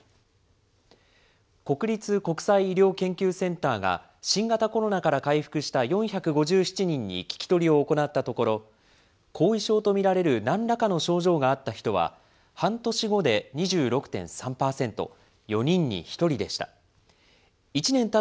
国立国際医療研究センターが、新型コロナから回復した４５７人に聞き取りを行ったところ、後遺症と見られるなんらかの症状があった人は、半年後で２６．３％、４人に１人でした。